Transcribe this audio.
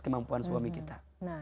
kemampuan suami kita